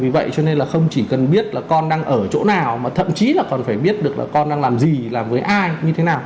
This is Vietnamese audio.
vì vậy cho nên là không chỉ cần biết là con đang ở chỗ nào mà thậm chí là còn phải biết được là con đang làm gì là với ai như thế nào